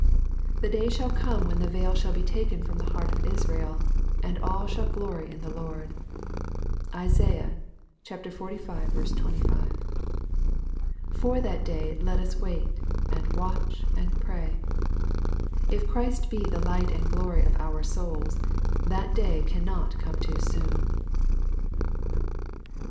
The day shall come when the veil shall be taken from the heart of Israel, and all shall ^^ glory in the Lord." (Isai. xlv. 25.) For that day let us wait, and watch, and pray. If Christ be the light and glory of our souls, that day cannot come too soon.